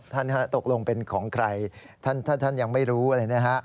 ท่านฮะตกลงเป็นของใครท่านยังไม่รู้เลยนะฮะ